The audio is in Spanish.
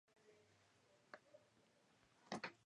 Hay otro retablo churrigueresco que oculta pinturas murales.